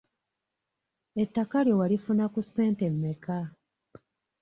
Ettaka lyo walifuna ku ssente mmeka?